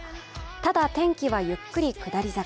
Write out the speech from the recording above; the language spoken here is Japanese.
ただ、天気はゆっくり下り坂。